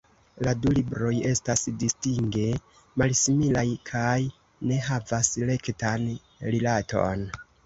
La du libroj estas distinge malsimilaj kaj ne havas rektan rilaton.